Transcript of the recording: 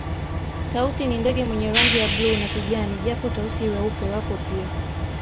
Tausi ni ndege mwenye rangi ya bluu na kijani japo Tausi weupe wapo pia